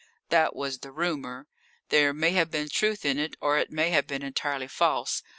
That was the rumour. There may have been truth in it, or it may have been entirely false.